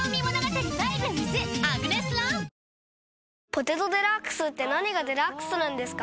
「ポテトデラックス」って何がデラックスなんですか？